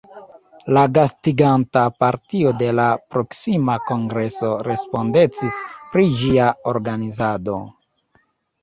La gastiganta partio de la proksima kongreso respondecis pri ĝia organizado.